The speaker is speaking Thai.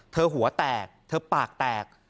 หัวแตกเธอปากแตก